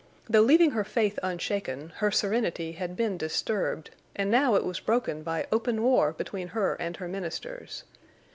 Though leaving her faith unshaken, her serenity had been disturbed, and now it was broken by open war between her and her ministers.